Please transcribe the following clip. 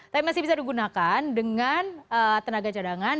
tapi masih bisa digunakan dengan tenaga cadangan